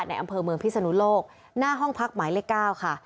อำเภอเมืองพิศนุโลกหน้าห้องพักหมายเลข๙ค่ะ